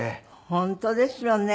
本当ですよね。